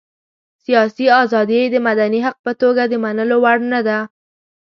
سياسي ازادي یې د مدني حق په توګه د منلو وړ نه ده.